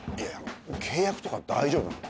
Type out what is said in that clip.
契約とか大丈夫なの？